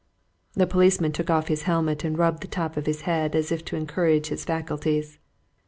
The policeman took off his helmet and rubbed the top of his head as if to encourage his faculties.